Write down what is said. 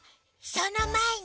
そのまえに。